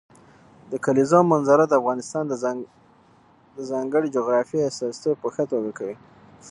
د کلیزو منظره د افغانستان د ځانګړي جغرافیې استازیتوب په ښه توګه کوي.